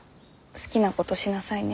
好きなことしなさいね。